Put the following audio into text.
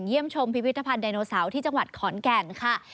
ชมพิพิธภัณฑ์ไดโนเสาร์ที่จังหวัดขอนแก่นค่ะ